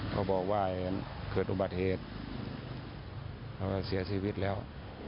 เขาบอกว่าเกิดอุบัติเหตุเขาก็เสียชีวิตแล้ว